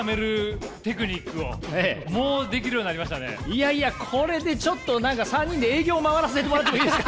いやいやこれでちょっと何か３人で営業回らせてもらってもいいですか？